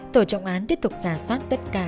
tổ trọng án tiếp tục giả soát tất cả